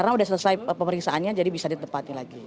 tidak selesai pemeriksaannya jadi bisa ditepati lagi